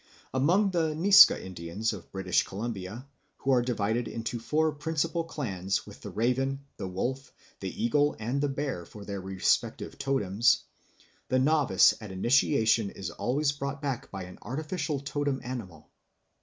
Among the Niska Indians of British Columbia, who are divided into four principal clans with the raven, the wolf, the eagle, and the bear for their respective totems, the novice at initiation is always brought back by an artificial totem animal.